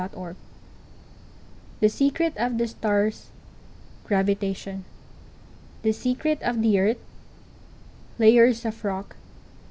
Sibley The secret of the stars—gravitation. The secret of the earth—layers of rock.